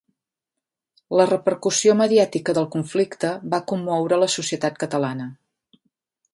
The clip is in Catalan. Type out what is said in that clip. La repercussió mediàtica del conflicte va commoure la societat catalana.